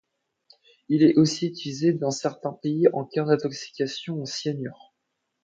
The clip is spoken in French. Il est aussi utilisé dans certains pays en cas d'intoxication au cyanure.